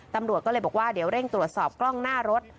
ตำรวจก็เลยบอกว่าเดี๋ยวเร่งตรวจสอบกล้องหน้ารถ